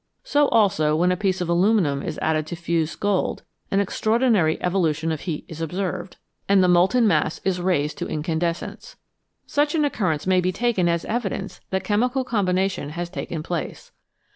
So also when a piece of aluminium is added to fused gold, an extraordinary evolution of heat is observed, 77 TWO METALS BETTER THAN ONE and the molten mass is raised to incandescence. Such an occurrence may be taken as evidence that chemical com bination has taken place.